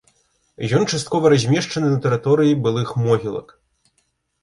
Ён часткова размешчаны на тэрыторыі былых могілак.